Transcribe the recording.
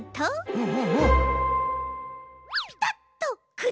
うん！